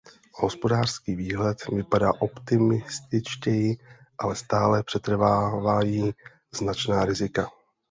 Hospodářský výhled vypadá optimističtěji, ale stále přetrvávají značná rizika.